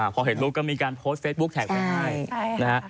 พอเห็นรูปก็มีการโพสต์เฟซบุ๊คแท็กไว้ให้นะฮะ